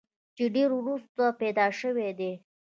چې ډېر وروستو پېدا شوی دی